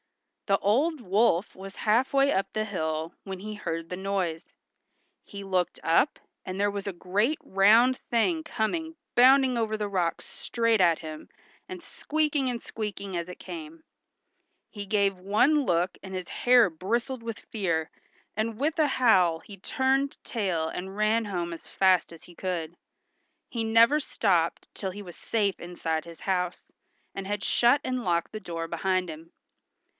The old wolf was half way up the hill when he heard the noise. He looked up, and there was a great round thing coming bounding over the rocks straight at him, and squeaking and squeaking as it came. He gave one look and his hair bristled with fear, and with a howl he turned tail and ran home as fast as he could. He never stopped till he was safe inside his house, and had shut and locked the door behind him.